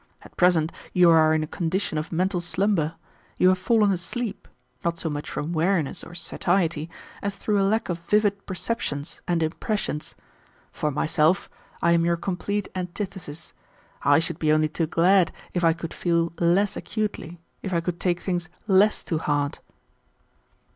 At present you are in a condition of mental slumber. You have fallen asleep, not so much from weariness or satiety, as through a lack of vivid perceptions and impressions. For myself, I am your complete antithesis. I should be only too glad if I could feel less acutely, if I could take things less to heart."